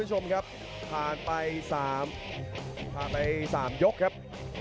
โอเคครับทุกคนผ่านไป๓จุด